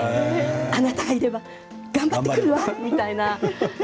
あなたがいれば頑張ってくるわみたいな。